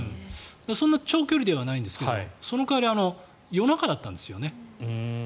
そんなに長距離ではないんですがその代わり夜中だったんですよね。